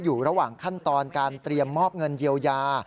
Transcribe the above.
อยู่ระหว่างขั้นตอนการเตรียมมอบเงินเยียวยา